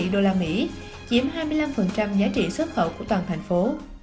đô la mỹ chiếm hai mươi năm giá trị xuất khẩu của toàn thành phố